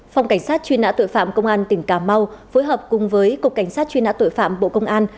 phòng cảnh sát truy nã tội phạm công an tỉnh cà mau phối hợp cùng với cục cảnh sát truy nã tội phạm bộ công an